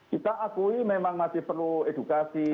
kita akui memang masih perlu edukasi